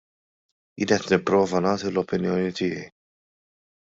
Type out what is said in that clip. Jien qed nipprova nagħti l-opinjoni tiegħi.